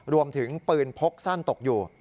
รวมถึงปืนพกสั้นตกอยู่